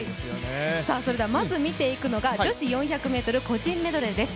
それではまず見ていくのが女子４００ｍ個人メドレーです。